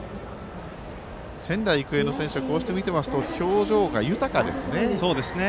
仙台育英の選手はこうして見てますと表情が豊かですね。